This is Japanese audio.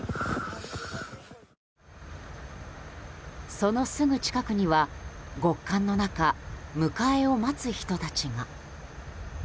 そのすぐ近くには極寒の中、迎えを待つ人たちが。